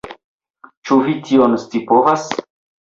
Ĉu vi tion scipovas?